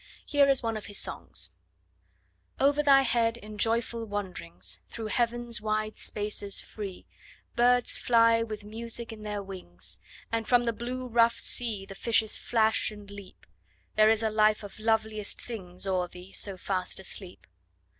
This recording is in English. Here is one of his songs: Over thy head, in joyful wanderings Through heaven's wide spaces, free, Birds fly with music in their wings; And from the blue, rough sea The fishes flash and leap; There is a life of loveliest things O'er thee, so fast asleep.